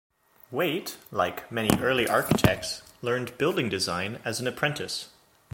Waite like many early architects, learned building design as an apprentice.